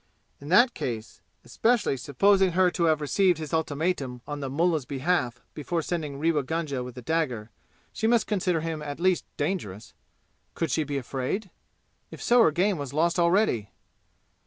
In that case, especially supposing her to have received his ultimatum on the mullah's behalf before sending Rewa Gunga with the dagger, she must consider him at least dangerous. Could she be afraid? If so her game was lost already!